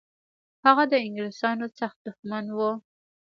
هغه د انګلیسانو سخت دښمن و.